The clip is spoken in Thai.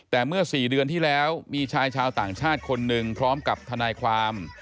แต่เมื่อ๔เดือนที่แล้วมีชายชาวต่างชาติคนหนึ่งพร้อมกับทนายความ